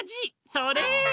それ！